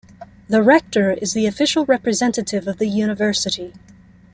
The Rector is the official representative of the University.